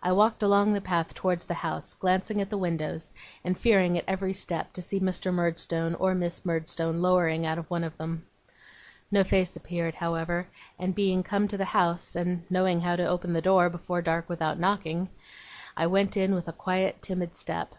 I walked along the path towards the house, glancing at the windows, and fearing at every step to see Mr. Murdstone or Miss Murdstone lowering out of one of them. No face appeared, however; and being come to the house, and knowing how to open the door, before dark, without knocking, I went in with a quiet, timid step.